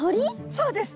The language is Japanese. そうです。